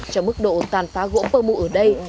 cho mức độ tàn phá gỗ pơ mu ở đây